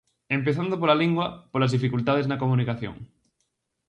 Empezando pola lingua, polas dificultades na comunicación.